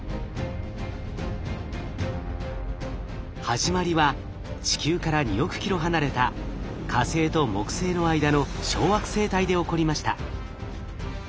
始まりは地球から２億キロ離れた火星と木星の間の小惑星帯で起こりました。